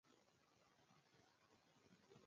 لپ سټک ګرزوم